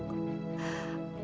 ah alda bisa bantu